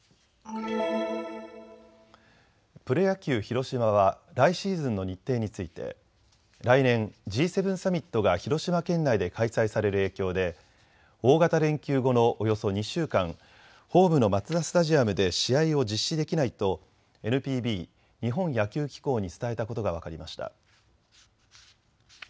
プロ野球、広島は来シーズンの日程について来年、Ｇ７サミットが広島県内で開催される影響で大型連休後のおよそ２週間、ホームのマツダスタジアムで試合を実施できないとＮＰＢ・日本野球機構に伝えたことが分かりました。